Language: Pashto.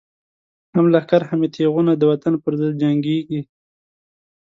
هم لښکر هم یی تیغونه، د وطن پر ضد جنگیږی